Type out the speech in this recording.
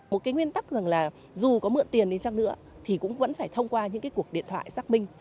một cái nguyên tắc rằng là dù có mượn tiền đến chăng nữa thì cũng vẫn phải thông qua những cái cuộc điện thoại xác minh